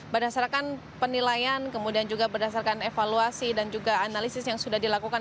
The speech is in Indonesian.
berdasarkan penilaian kemudian juga berdasarkan evaluasi dan juga analisis yang sudah dilakukan